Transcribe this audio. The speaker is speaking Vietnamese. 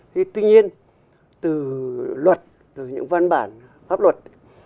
thế tuy nhiên từ luật từ những văn bản pháp luật